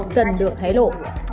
dần được hé lộ